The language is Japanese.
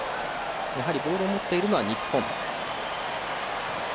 やはり、ボールを持っているのは日本。